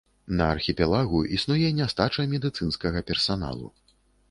На архіпелагу існуе нястача медыцынскага персаналу.